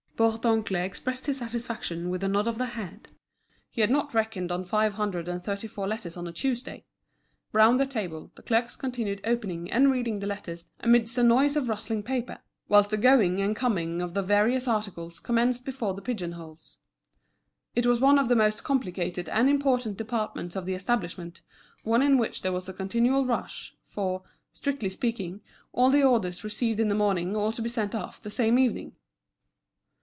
Bourdoncle expressed his satisfaction by a nod of the head. He had not reckoned on five hundred and thirty four letters on a Tuesday. Round the table, the clerks continued opening and reading the letters amidst a noise of rustling paper, whilst the going and coming of the various articles commenced before the pigeon holes. It was one of the most complicated and important departments of the establishment, one in which there was a continual rush, for, strictly speaking, all the orders received in the morning ought to be sent off the same evening.